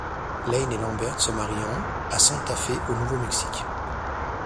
Lane et Lambert se marient en à Santa Fé, au Nouveau-Mexique.